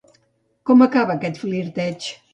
Com acaba aquest flirteig?